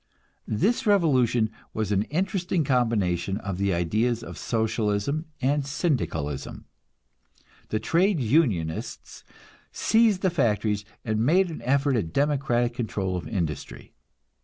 This revolution was an interesting combination of the ideas of Socialism and Syndicalism. The trade unionists seized the factories, and made an effort at democratic control of industry.